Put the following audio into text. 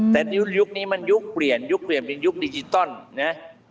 แต่ยุคนี้มันยุคเปลี่ยนยุคเปลี่ยนเป็นยุคดิจิตอลนะ